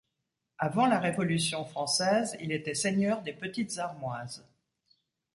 Avant la Révolution française, il était seigneur des Petites Armoises.